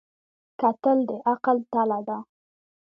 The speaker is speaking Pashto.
کتل د عقل تله ده